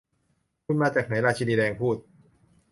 'คุณมาจากไหน' ราชินีแดงพูด